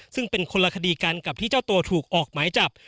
ซึ่งเป็นคนละคดีกันกับที่เจ้าตัวถูกออกหมายจับ